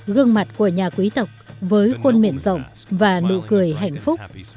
gương mặt của nhà quý tộc với khuôn miệng rộng và nụ cười hạnh phúc